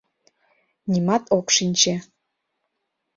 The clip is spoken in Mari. Нимат ок шинче.